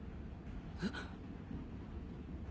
えっ。